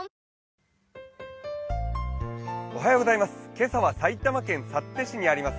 今朝は埼玉県幸手市にあります